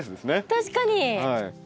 確かに。